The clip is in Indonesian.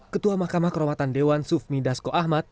ketua mahkamah kehormatan dewan sufmi dasko ahmad